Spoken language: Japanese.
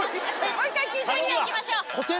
もう１回聞きましょう。